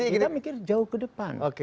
kita mikir jauh ke depan